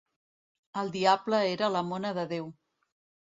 El diable era la mona de Déu.